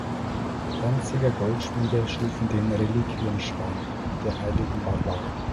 Danziger Goldschmiede schufen den Reliquienschrein der heiligen Barbara.